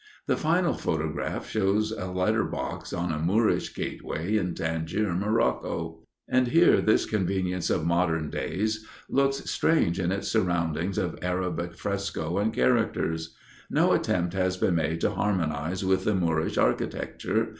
The final photograph shows a letter box on a Moorish gateway in Tangier, Morocco. And here this convenience of modern days looks strange in its surroundings of Arabic fresco and characters. No attempt has been made to harmonize with the Moorish architecture.